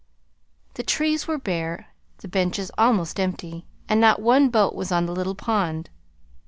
The trees were bare, the benches almost empty, and not one boat was on the little pond.